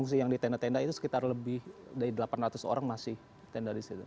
fungsi yang di tenda tenda itu sekitar lebih dari delapan ratus orang masih tenda di situ